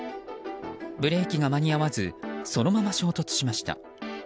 ブレーキが間に合わずそのまま衝突しました。